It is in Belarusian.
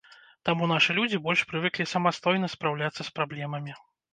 Таму нашы людзі больш прывыклі самастойна спраўляцца з праблемамі.